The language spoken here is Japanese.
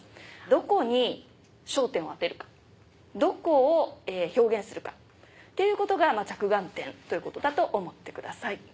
どこに焦点を当てるかどこを表現するかっていうことが着眼点ということだと思ってください。